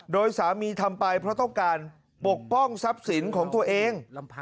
โดยสามีทำไปเพราะต้องการปกป้องทรัพย์สินของตัวเอง